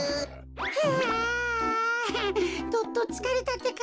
はあどっとつかれたってか。